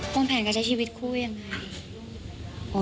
มันแผนกักจะชีวิตคู่ยังไง